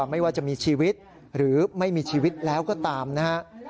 ไม่ว่าจะมีชีวิตหรือไม่มีชีวิตแล้วก็ตามนะฮะ